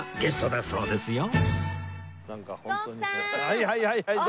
はいはいはいはい。